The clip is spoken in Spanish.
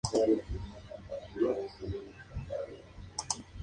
El siguiente es un breve resumen de algunos de los libros de Alice Miller.